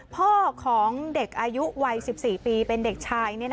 พ่อของเด็กอายุวัย๑๔ปีเป็นเด็กชาย